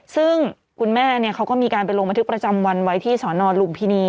ซึ่งคุณแม่เขาก็มีการไปลงบันทึกประจำวันไว้ที่สนลุมพินี